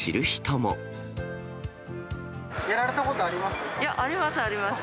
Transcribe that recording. やられたことあります？